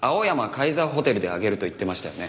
カイザーホテルで挙げると言ってましたよね？